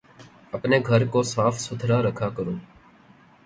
اپنے گھر کو صاف ستھرا رکھا کرو